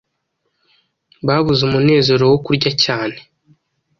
Babuze umunezero wo kurya cyane